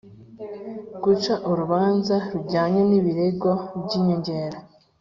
Guca urubanza rujyanye n’ ibirego by’ inyongera